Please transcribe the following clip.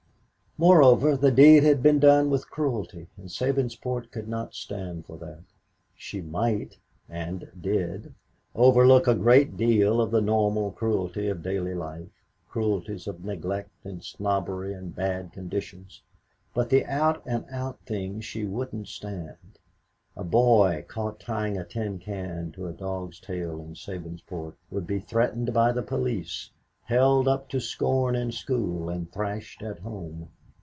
Moreover, the deed had been done with cruelty, and Sabinsport could not stand for that. She might and did overlook a great deal of the normal cruelty of daily life cruelties of neglect and snobbery and bad conditions, but the out and out thing she wouldn't stand. A boy caught tying a tin can to a dog's tail in Sabinsport would be threatened by the police, held up to scorn in school and thrashed at home.